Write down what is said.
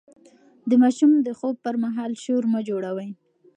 د ماشوم د خوب پر مهال شور مه جوړوئ.